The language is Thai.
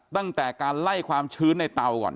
ตั้งแต่การไล่ความชื้นในเตาก่อน